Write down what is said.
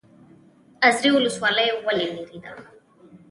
ازرې ولسوالۍ ولې لیرې ده؟